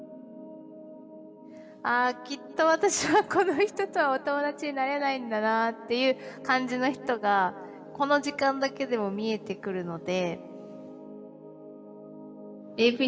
きっと私はこの人とはお友達になれないんだなっていう感じの人がこの時間だけでも見えてくるので。